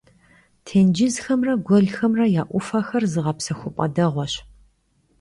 Têncızxemre guelxemre ya 'Ufexer zığepsexup'e değueş.